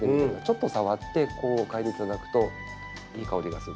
ちょっと触ってこう嗅いでいただくといい香りがする。